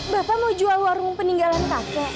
bapak mau jual warung peninggalan kakek